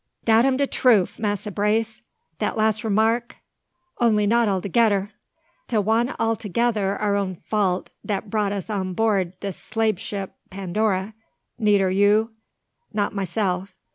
"Dat am de troof, Massa Brace, dat las' remark, only not altogedder! 'T want altogedder our own fault dat brought us on board de slabe ship Pandora, neider you not maseff.